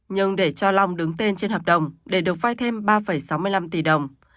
nhưng để cho long đứng tên trên hợp đồng để được vai thêm ba sáu mươi năm tỷ đồng